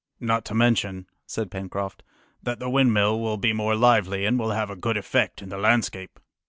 "Not to mention," said Pencroft, "that the windmill will be more lively and will have a good effect in the landscape!"